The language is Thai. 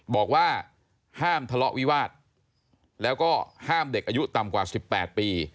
บอกว่าห้ามทะเลาะวิวาสแล้วก็ห้ามเด็กอายุต่ำกว่า๑๘ปี